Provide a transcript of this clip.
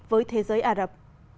với thế giới ả rập